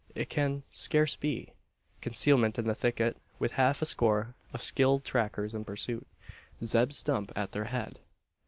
It can scarce be. Concealment in the thicket with half a score of skilled trackers in pursuit Zeb Stump at their head!